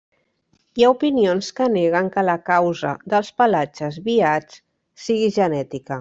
Hi ha opinions que neguen que la causa dels pelatges viats sigui genètica.